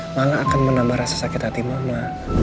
malah akan menambah rasa sakit hati mama